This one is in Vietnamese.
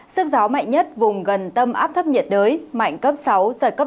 sức gió mạnh nhất vùng gần tâm áp thấp nhiệt đới mạnh cấp sáu giật cấp chín